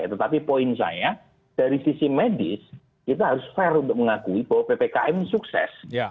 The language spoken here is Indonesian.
tetapi poin saya dari sisi medis kita harus fair untuk mengakui bahwa ppkm sukses